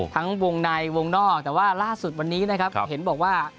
ทั้งวงในวงนอกแต่ว่าล่าสุดวันนี้นะครับเห็นบอกว่า